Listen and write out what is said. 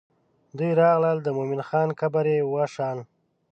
دوی راغلل د مومن خان قبر یې وشان.